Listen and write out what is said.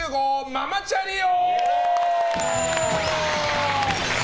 ママチャリ王！